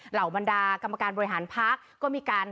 เหล่าบรรดากรรมการบริหารพักก็มีการ